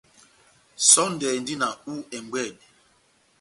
Sɔndɛ endi na hú ɛmbwedi.